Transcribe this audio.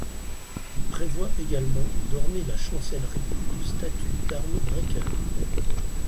Il prévoit également d’orner la chancellerie de statues d’Arno Breker.